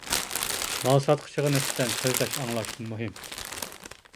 مال ساتقۇچىغا نىسبەتەن سۆزلەش ئاڭلاشتىن مۇھىم.